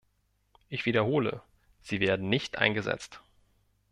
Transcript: Ich wiederhole, sie werden nicht eingesetzt.